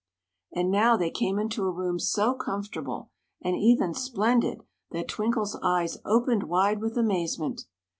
And now they came into a room so comfortable and even splendid that Twinkle's eyes opened wide with amazement.